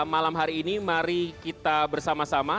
malam hari ini mari kita bersama sama